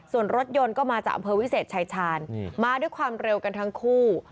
ส่วนรถยนต์ก็มาจากอำเภอวิเศษชายชาญมาด้วยความเร็วกันทั้งคู่